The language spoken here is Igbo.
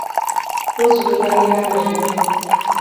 o zuola ihe a na-eme.